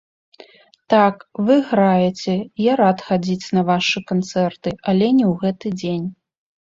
Так, вы граеце, я рад хадзіць на вашы канцэрты, але не ў гэты дзень.